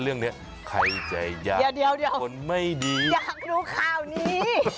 เรื่องนี้ใครใจอยากเดี๋ยวคนไม่ดีอยากรู้ข่าวนี้